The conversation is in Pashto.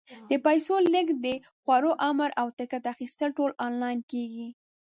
د پیسو لېږد، د خوړو امر، او ټکټ اخیستل ټول آنلاین کېږي.